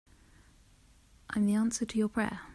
I'm the answer to your prayer.